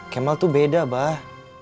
kemal tuh beda bah